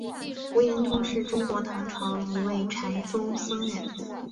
无言通是中国唐朝的一位禅宗僧人。